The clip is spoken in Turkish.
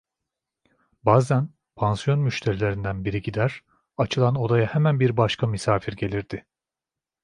Bazan pansiyon müşterilerinden biri gider, açılan odaya hemen bir başka misafir gelirdi.